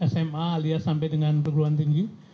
sma alias sampai dengan perguruan tinggi